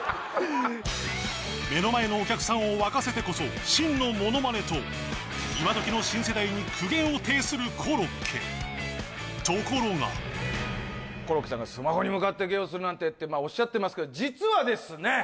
目の前のお客さんを沸かせてこそ真のものまねとイマドキの新世代に苦言を呈するコロッケところがコロッケさんがスマホに向かって芸をするなんてっておっしゃってますけど実はですね